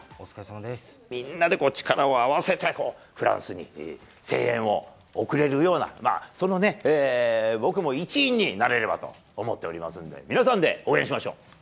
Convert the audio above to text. みんなで力を合わせて、フランスに声援を送れるような、そのね、僕も一員になれればと思っておりますんで、皆さんで応援しましょう。